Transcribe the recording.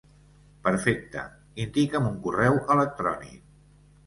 Perfecte. Indica'm un correu electrònic.